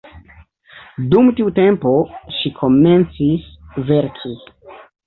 Dum tiu tempo ŝi komencis verki.